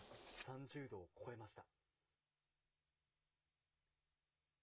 ３０度を超えました。